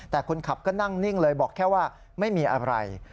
แต่คนขับก็นั่งนิ่งเลยบอกแค่ว่าไม่มีอะไร